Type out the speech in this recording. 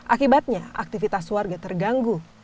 akibatnya aktivitas warga terganggu